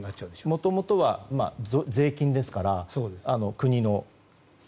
もともとは税金ですから国の。